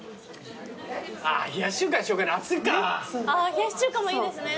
冷やし中華もいいですね。